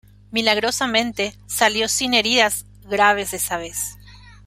Milagrosamente, salió sin heridas graves esa vez.